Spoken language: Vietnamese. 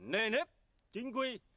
nề nếp chính quy